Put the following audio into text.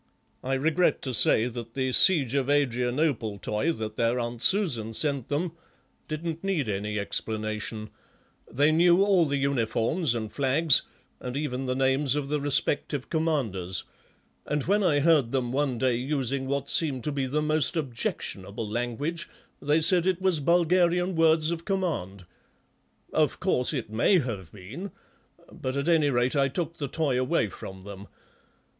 I regret to say that the 'Siege of Adrianople' toy, that their Aunt Susan sent them, didn't need any explanation; they knew all the uniforms and flags, and even the names of the respective commanders, and when I heard them one day using what seemed to be the most objectionable language they said it was Bulgarian words of command; of course it may have been, but at any rate I took the toy away from them.